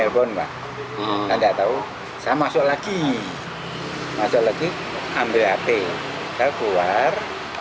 terus sepertinya dia itu pakai hp nelpon saya masuk lagi ambil hp saya keluar